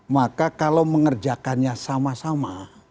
maka kalau mengerjakannya sama sama